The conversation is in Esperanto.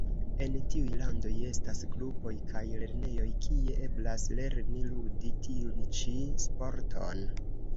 En tiuj landoj estas kluboj kaj lernejoj, kie eblas lerni ludi tiun ĉi sporton.